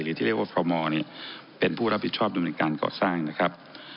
หรือที่เรียกว่าฟรมเป็นผู้รับผิดชอบด้วยการเกาะสร้างนะครับ